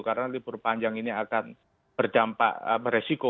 karena libur panjang ini akan berdampak beresiko